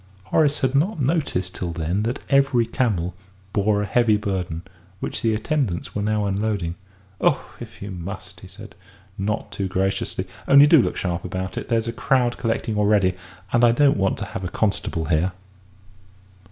Horace had not noticed till then that every camel bore a heavy burden, which the attendants were now unloading. "Oh, if you must!" he said, not too graciously; "only do look sharp about it there's a crowd collecting already, and I don't want to have a constable here."